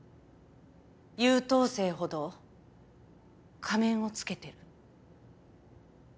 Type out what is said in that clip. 優等生ほど仮面をつけてる。